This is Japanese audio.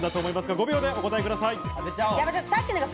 ５秒でお答えください。